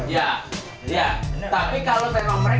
ya tapi kalau memang mereka